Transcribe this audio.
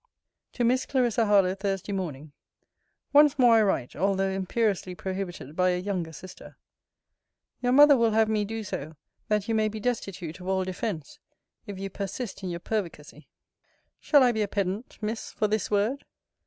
TO MISS CLARISSA HARLOWE THURSDAY MORNING. Once more I write, although imperiously prohibited by a younger sister. Your mother will have me do so, that you may be destitute of all defence, if you persist in your pervicacy. Shall I be a pedant, Miss, for this word?